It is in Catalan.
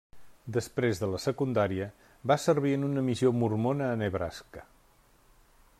Després de la secundària, va servir en una missió mormona a Nebraska.